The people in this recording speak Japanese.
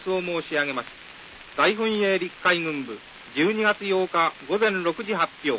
大本営陸海軍部１２月８日午前６時発表。